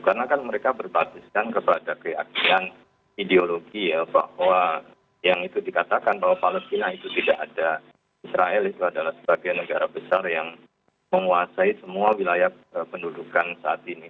karena kan mereka berbasiskan kepada keaksian ideologi ya bahwa yang itu dikatakan bahwa palestina itu tidak ada israel itu adalah sebagian negara besar yang menguasai semua wilayah pendudukan saat ini